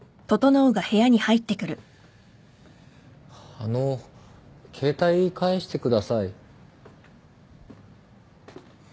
あの携帯返してください。